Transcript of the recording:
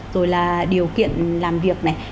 rồi là điều kiện làm việc